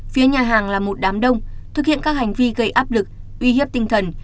phía nhà hàng là một đám đông thực hiện các hành vi gây áp lực uy hiếp tinh thần